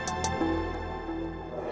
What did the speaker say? aku mau nyari pangeran